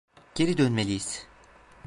Geri dönmeliyiz.